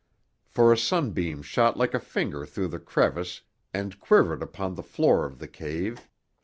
For a sunbeam shot like a finger through the crevice and quivered upon the floor of the cave.